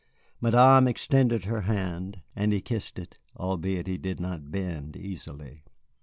Madame extended her hand and he kissed it, albeit he did not bend easily.